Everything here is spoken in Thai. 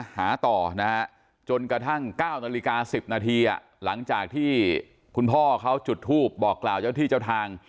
หาต่อนะฮะจนกระทั่ง๙นาฬิกา๑๐นาทีหลังจากที่คุณพ่อเขาจุดทูปบอกกล่าวเจ้าที่เจ้าทาง